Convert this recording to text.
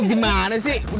lu gimana sih